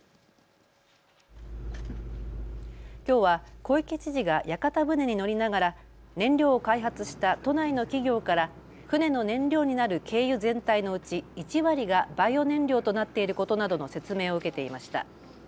きょうは小池知事が屋形船に乗りながら燃料を開発した都内の企業から船の燃料になる軽油全体のうち１割がバイオ燃料となっていることなどの説明を受けていました。